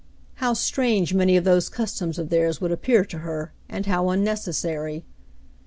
How strange many of those customs of theirs would appear to her, and how unnecessary !